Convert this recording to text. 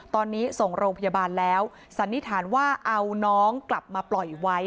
ตอนนี้ส่งโรงพยาบาลแล้วสันนิษฐานว่าเอาน้องกลับมาปล่อยไว้